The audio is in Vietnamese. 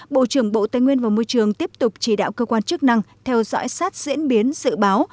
bộ trưởng bộ tây nguyên và môi trường tiếp tục chỉ đạo cơ quan chức năng theo dõi sát diễn biến dự báo